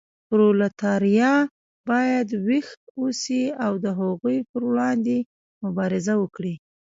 پرولتاریا باید ویښ اوسي او د هغوی پر وړاندې مبارزه وکړي.